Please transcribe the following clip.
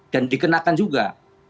dan dikenakan juga